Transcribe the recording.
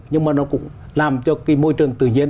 nhưng mà nó cũng làm cho cái môi trường tự nhiên